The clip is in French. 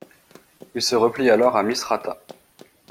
Il se replie alors à Misrata.